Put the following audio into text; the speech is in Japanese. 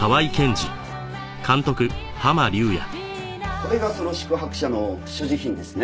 これがその宿泊者の所持品ですね。